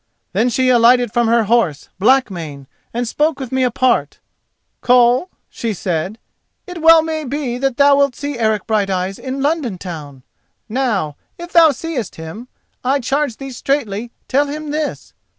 Then she alighted from her horse, Blackmane, and spoke with me apart. 'Koll,' she said, 'it well may happen that thou wilt see Eric Brighteyes in London town. Now, if thou seest him, I charge thee straightly tell him this.